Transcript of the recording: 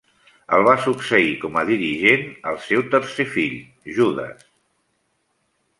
El va succeir com a dirigent el seu tercer fill Judes.